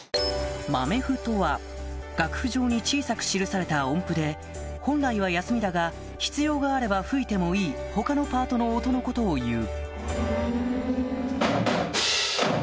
豆符とは楽譜上に小さく記された音符で本来は休みだが必要があれば吹いてもいい他のパートの音のことをいう ＧＦＥｓ。